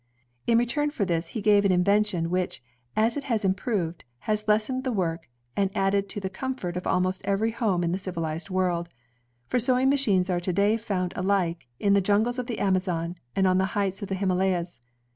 In return for this he gave an invention, which, as it has improved, has lessened the work and added to the com fort of almost every home in the civilized world; for sewing machines are to day found alike in the jungles of the Amazon, and on the heights of the Himalayas.